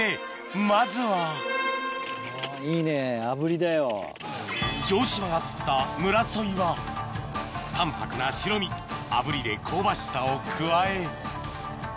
まずは城島が釣ったムラソイは淡泊な白身炙りで香ばしさを加え